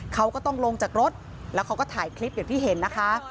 เขาก็ต้องลงจากรถแล้วเขาก็ถ่ายคลิปอย่างที่เห็นนะคะ